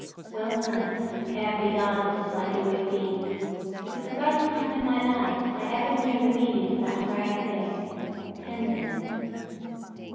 Well nursed and carefully guarded as I had always been, it was the first time in my life I ever knew the meaning of that rare thing, tenderness.